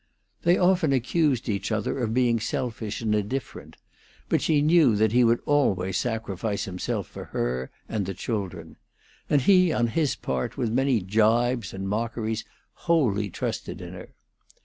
They often accused each other of being selfish and indifferent, but she knew that he would always sacrifice himself for her and the children; and he, on his part, with many gibes and mockeries, wholly trusted in her.